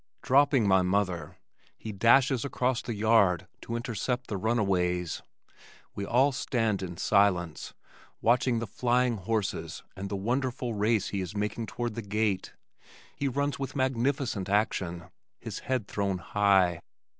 Dropping my mother, he dashes across the yard to intercept the runaways. We all stand in silence, watching the flying horses and the wonderful race he is making toward the gate. He runs with magnificent action, his head thrown high.